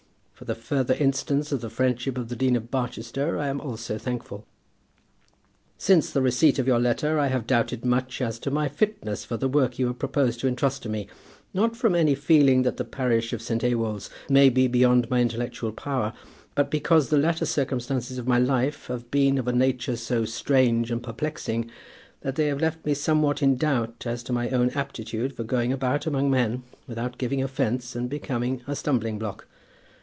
For the further instance of the friendship of the Dean of Barchester, I am also thankful. Since the receipt of your letter I have doubted much as to my fitness for the work you have proposed to entrust to me, not from any feeling that the parish of St. Ewolds may be beyond my intellectual power, but because the latter circumstances of my life have been of a nature so strange and perplexing, that they have left me somewhat in doubt as to my own aptitude for going about among men without giving offence and becoming a stumbling block.